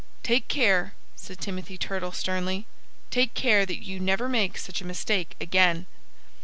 "Take care " said Timothy Turtle sternly "take care that you never make such a mistake again."